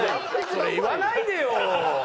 それ言わないでよ！